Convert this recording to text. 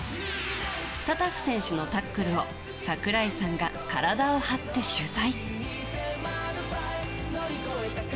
タタフ選手のタックルを櫻井さんが体を張って取材。